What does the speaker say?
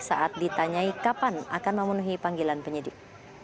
saat ditanyai kapan akan memenuhi panggilan penyidik